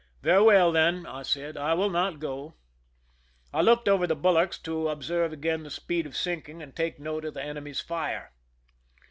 "Very well, then," I said; "I will not go." I looked over the bulwarks to observe again the speed of sinking and take note of the enemy's fire.